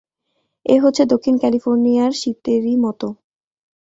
এ হচ্ছে দক্ষিণ ক্যালিফোর্নিয়ার শীতেরই মত।